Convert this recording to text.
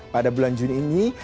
pada bulan juni ini